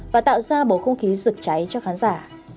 và tạo ra bầu không khí rực cháy cho khán giả